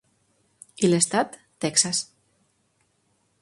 I l'estat, Texas.